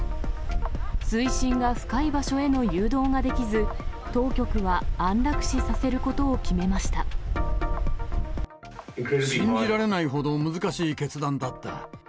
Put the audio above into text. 水深が深い場所への誘導ができず、当局は安楽死させることを信じられないほど難しい決断だった。